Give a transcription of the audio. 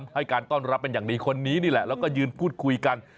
ให้การต้อนรับเป็นอย่างดีคนนี้นี่แหละแล้วก็ยืนพูดคุยกัน